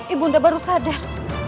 ibu dan baru sadar